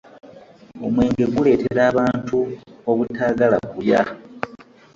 omwenge guleetera abantu obutaagala kulya.